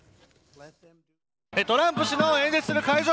トランプ氏の演説する会場